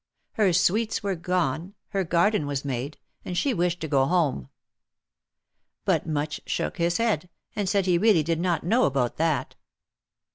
Her sweets were gone, her garden was made, and she wished to go home. But Much shook his head, and said he really did not know about that.